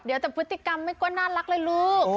เดี๋ยวแต่พฤติกรรมไม่ก็น่ารักเลยลูก